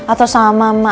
atau sama mama